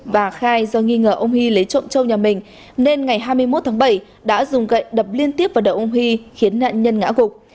và khai do nghi ngờ ông hy lấy trộm châu nhà mình nên ngày hai mươi một tháng bảy đã dùng gậy đập liên tiếp vào đầu ông huy khiến nạn nhân ngã gục